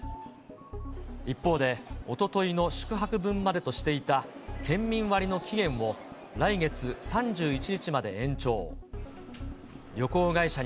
一方で、おとといの宿泊分までとしていた県民割の期限を来月３１日まで延長。